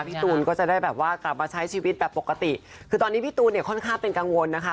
พี่ตูนก็จะได้แบบว่ากลับมาใช้ชีวิตแบบปกติคือตอนนี้พี่ตูนเนี่ยค่อนข้างเป็นกังวลนะคะ